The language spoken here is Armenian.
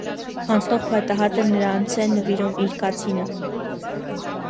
Անցնող փայտահայտը նրանց է նվիրում իր կացինը։